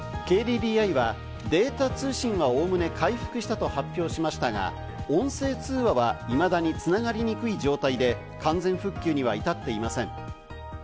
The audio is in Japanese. ＫＤＤＩはデータ通信はおおむね回復したと発表しましたが、音声通話はいまだに繋がりにくい状態で完全復旧には至っていません。